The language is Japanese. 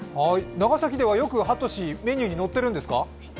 長崎ではよくハトシ、メニューに載ってるんですか？